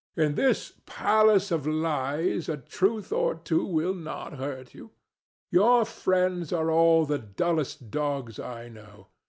In this Palace of Lies a truth or two will not hurt you. Your friends are all the dullest dogs I know.